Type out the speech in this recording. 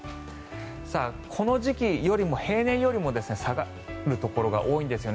この時期よりも、平年よりも下がるところが多いんですよね。